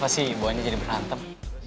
pasti buahnya jadi berhantem